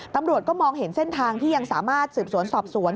ตำรวจก็มองเห็นเส้นทางที่ยังสามารถสืบสวนสอบสวน